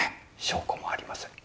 証拠もありません。